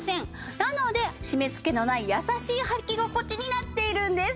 なので締め付けのない優しいはき心地になっているんです。